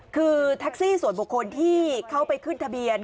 คือแท็กซี่ส่วนบุคคลที่เขาไปขึ้นทะเบียน